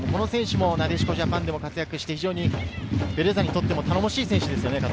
なでしこジャパンで活躍してベレーザにとっても頼もしい選手ですね。